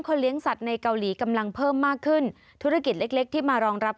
เลี้ยงสัตว์ในเกาหลีกำลังเพิ่มมากขึ้นธุรกิจเล็กเล็กที่มารองรับ